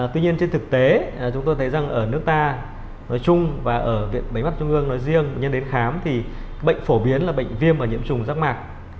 tuy nhiên trên thực tế chúng tôi thấy rằng ở nước ta nói chung và ở viện bệnh mắt trung ương nói riêng nhân đến khám thì bệnh phổ biến là bệnh viêm và nhiễm trùng rác mạc